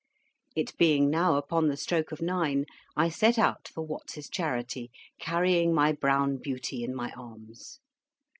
It being now upon the stroke of nine, I set out for Watts's Charity, carrying my brown beauty in my arms.